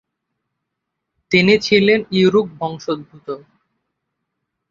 তিনি ছিলেন ইউরুক বংশোদ্ভুত।